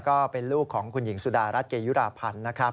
ก็เป็นลูกของคุณหญิงสุดารัฐเกยุราพันธ์นะครับ